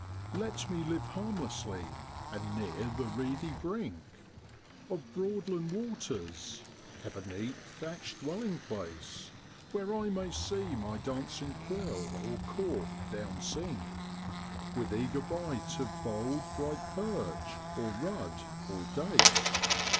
' Let me live harmlessly, and near the reedy brink Of Broadland waters, have a neat thatched dwelling place, Where I may see my dancing quill or cork down sink, With eager bite of bold, bright perch, or rudd, or dace.'